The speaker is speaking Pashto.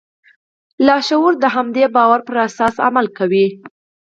لاشعور د همدې باور پر اساس عمل کوي